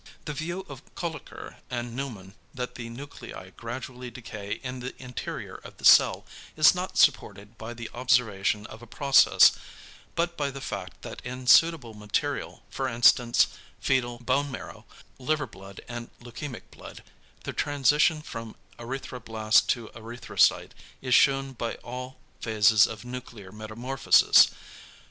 The view of Kölliker and Neumann that the nuclei gradually decay in the interior of the cell is not supported by the observation of a process, but by the fact that in suitable material, for instance, foetal bone marrow, liver blood, and leukæmic blood, the transition from erythroblast to erythrocyte is shewn by all phases of nuclear metamorphosis.